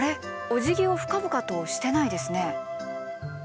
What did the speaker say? おじぎを深々としてないですね。